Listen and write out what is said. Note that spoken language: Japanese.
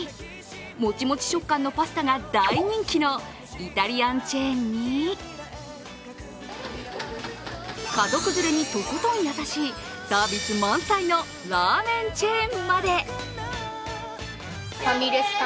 もちもち食感のパスタが大人気のイタリアンチェーンに家族連れにとことん優しいサービス満載のラーメンチェーンまで。